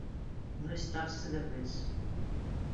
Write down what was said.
No estar-se de res.